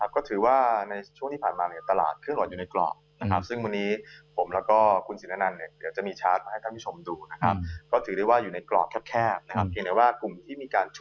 ก็ถือว่าในช่วงที่ผ่านมาตลาดคือการอยู่ในกล่อก